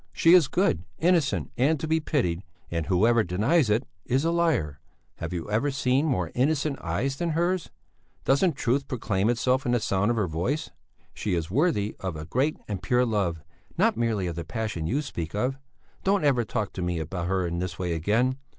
She is good, innocent, and to be pitied, and whoever denies it is a liar. Have you ever seen more innocent eyes than hers? Doesn't truth proclaim itself in the sound of her voice? She is worthy of a great and pure love, not merely of the passion you speak of. Don't ever talk to me about her in this way again.